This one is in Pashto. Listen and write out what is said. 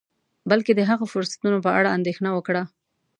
بلکې د هغه فرصتونو په اړه اندیښنه وکړه